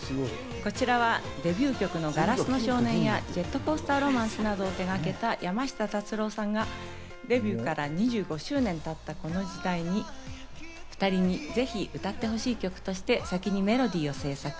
こちらはデビュー曲の『硝子の少年』や『ジェットコースター・ロマンス』などを手がけた山下達郎さんがデビューから２５周年経った、この時代に、２人にぜひ歌ってほしい曲として先にメロディーを制作。